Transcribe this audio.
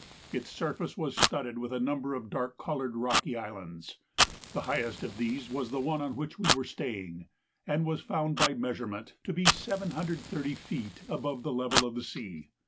Its surface was studded with a number of dark coloured rocky islands. The highest of these was the one on which we were staying, and was found by measurement to be 730 feet above the level of the sea.